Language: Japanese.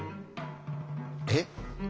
えっ？